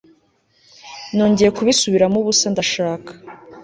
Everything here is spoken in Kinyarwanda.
Nongeye kubisubiramo ubusa Ndashaka